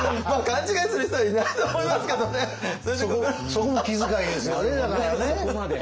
そこも気遣いですよねだからね。